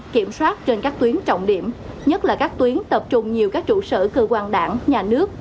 kiểm soát trên các tuyến trọng điểm nhất là các tuyến tập trung nhiều các trụ sở cơ quan đảng nhà nước